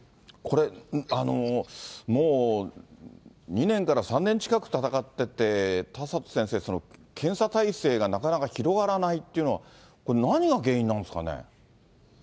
これ、もう２年から３年近く戦ってて、田里先生、検査体制がなかなか広がらないというのは、これ、何が原因なんですかね。